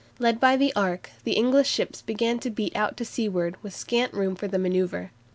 Led by the "Ark," the English ships began to beat out to seaward with scant room for the manoeuvre.